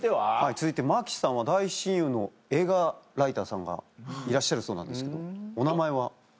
続いて真木さんは大親友の映画ライターさんがいらっしゃるそうなんですけどお名前は？